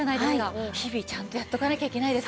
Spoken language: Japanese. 日々ちゃんとやっとかなきゃいけないですね。